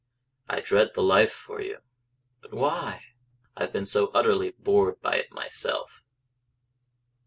"I dread the life for you." "But why?" "I've been so utterly bored by it myself."